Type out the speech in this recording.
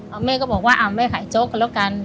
เอาแม่ก็บอกว่าอ่าแม่ขายโจ๊กกันแล้วกัน